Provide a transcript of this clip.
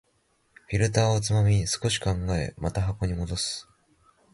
フィルターをつまみ、少し考え、また箱に戻す